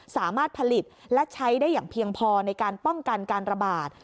สามารถผลิตและใช้ได้อย่างเพียงพอในการป้องกันการระบาด